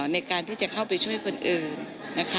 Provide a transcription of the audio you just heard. ในการที่จะเข้าไปช่วยคนอื่นนะคะ